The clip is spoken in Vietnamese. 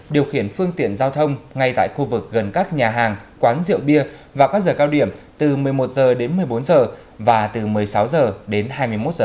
điều khiển phương tiện giao thông ngay tại khu vực gần các nhà hàng quán rượu bia vào các giờ cao điểm từ một mươi một h đến một mươi bốn h và từ một mươi sáu h đến hai mươi một h